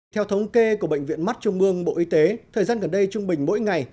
theo thống kê của bệnh viện mắt trung mương bộ y tế thời gian gần đây trung bình mỗi ngày